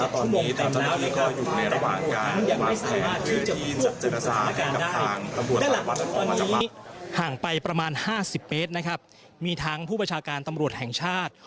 ตอนนี้ห่างไปประมาณ๕๐เบสนะครับมีทั้งผู้ประชาการตำรวจแห่งชาติ